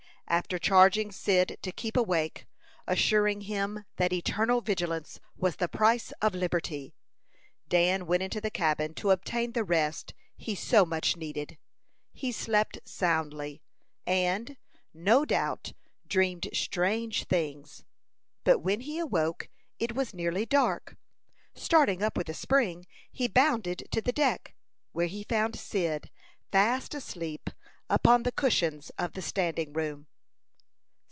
After charging Cyd to keep awake, assuring him that "eternal vigilance was the price of liberty," Dan went into the cabin to obtain the rest he so much needed. He slept soundly, and, no doubt, dreamed strange things; but when he awoke it was nearly dark. Starting up with a spring, he bounded to the deck, where he found Cyd fast asleep upon the cushions of the standing room.